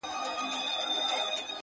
خيالاتو د حالاتو د دې سوال الهام راکړی;